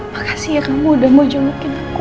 makasih ya kamu udah mau jemukin